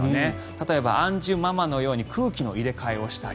例えばアンジュママのように空気の入れ替えをしたり。